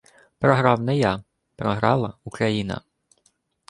Програв не я. Програла Україна…